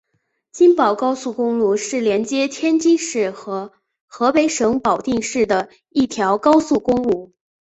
津保高速公路是连接天津市和河北省保定市的一条高速公路。